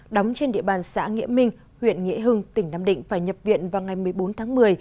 đóng trên địa bàn xã nghĩa minh huyện nghĩa hưng tỉnh nam định phải nhập viện vào ngày một mươi bốn tháng một mươi